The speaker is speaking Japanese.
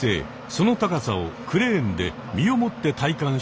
その高さをクレーンで身をもって体感してみる事に。